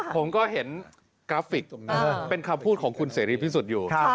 ผมก็เห็นกราฟิกเป็นคำพูดของคุณเสรีพิสุทธิ์อยู่